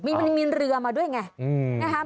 มีเรือมาด้วยไง